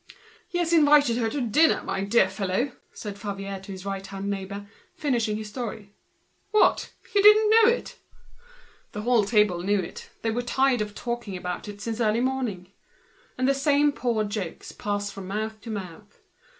"He has invited her to dinner, my dear fellow," said Favier to his right hand neighbor, finishing his story. "What! you didn't know it?" The whole table knew it, they were tired of talking about it since the first thing, in the morning. And the same poor jokes passed from mouth to mouth.